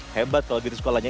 hebat kalau gitu sekolahnya